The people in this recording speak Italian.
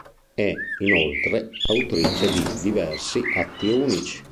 È, inoltre, autrice di diversi atti unici.